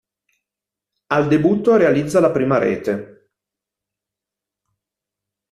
Al debutto realizza la prima rete.